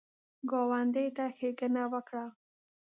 ګاونډي ته ښېګڼه وکړه